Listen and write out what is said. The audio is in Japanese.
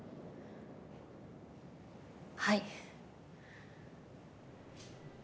はい。